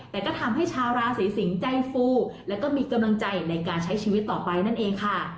แต่ก็ทำให้ชาวราศีสิงศ์ใจฟูแล้วก็มีกำลังใจในการใช้ชีวิตต่อไปนั่นเองค่ะ